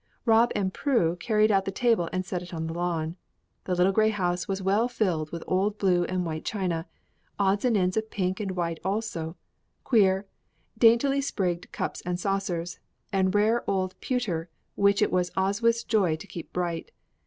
Rob and Prue carried out the table and set it on the lawn. The little grey house was well filled with old blue and white china, odds and ends of pink and white also, queer, dainty sprigged cups and saucers, and rare old pewter which it was Oswyth's joy to keep bright.